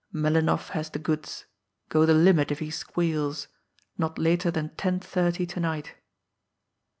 Melinoff has the goods. Go the limit if he squeals. Not later than ten thirty to night.